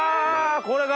これが！